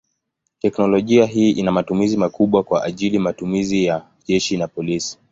Teknolojia hii ina matumizi makubwa kwa ajili matumizi ya jeshi na polisi.